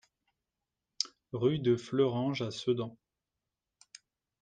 Rue de Fleuranges à Sedan